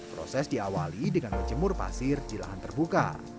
proses diawali dengan menjemur pasir di lahan terbuka